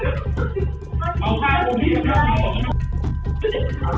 สวัสดีครับวันนี้เราจะกลับมาเมื่อไหร่